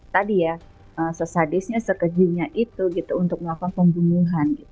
tadi ya sesadisnya strateginya itu gitu untuk melakukan pembunuhan